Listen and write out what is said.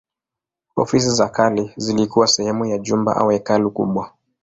Ofisi za kale zilikuwa sehemu ya jumba au hekalu kubwa.